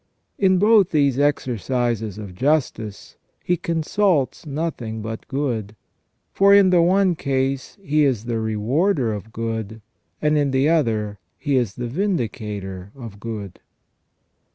In both these exercises of justice He consults nothing but good, for in the one case He is the rewarder of good, and in the other He is the vindicator of good.